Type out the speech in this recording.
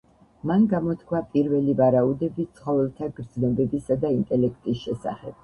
მან გამოთქვა პირველი ვარაუდები ცხოველთა გრძნობებისა და ინტელექტის შესახებ.